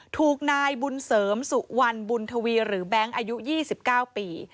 ถูกนายบุญเสริมสุวรรณบุญทวีหรือแบงค์อายุ๒๙ปี